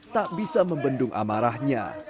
tak bisa membendung amarahnya